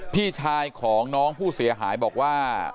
พี่ชายของน้องผู้เสียหายบอกว่า